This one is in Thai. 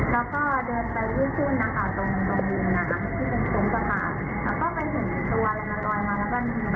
แล้วมันลอยอยู่ในนั้น